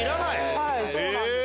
はいそうなんです。